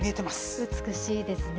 美しいですね。